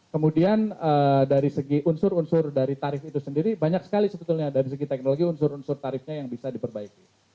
kemudian dari segi unsur unsur dari tarif itu sendiri banyak sekali sebetulnya dari segi teknologi unsur unsur tarifnya yang bisa diperbaiki